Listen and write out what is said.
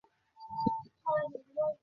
তিনি তার স্থলাভিষিক্ত হন।